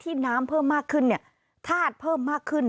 น้ำเพิ่มมากขึ้นเนี่ยธาตุเพิ่มมากขึ้น